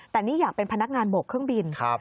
แต่นี่อยากเป็นพนักงานโบกเครื่องบิน